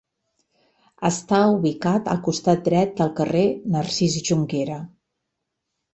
Està ubicat al costat dret del carrer Narcís Jonquera.